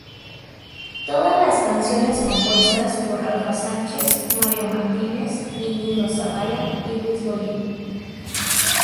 Todas las canciones compuestas por Rafa Sánchez, Mario Martínez, Iñigo Zabala y Luis Bolín.